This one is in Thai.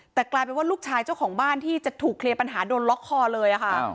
แต่กลายเป็นว่าลูกชายเจ้าของบ้านที่จะถูกเคลียร์ปัญหาโดนล็อกคอเลยค่ะ